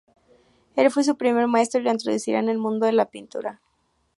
Él fue su primer maestro y le introduciría en el mundo de la pintura.